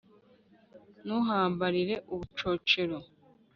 ntuhambarira ubucocero